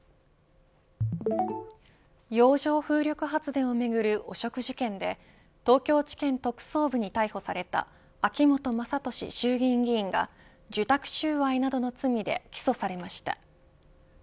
洋上風力発電を巡る汚職事件で東京地検特捜部に逮捕された秋本真利衆議院議員が受託収賄などの罪で起訴されました。